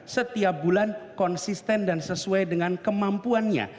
setiap bulan konsisten dan sesuai dengan kemampuannya